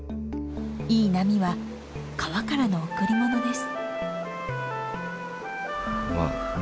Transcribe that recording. いい波は川からの贈り物です。